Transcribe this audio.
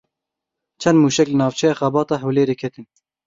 Çend mûşek li navçeya Xebat a Hewlêrê ketin.